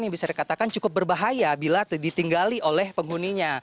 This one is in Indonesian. yang bisa dikatakan cukup berbahaya bila ditinggali oleh penghuninya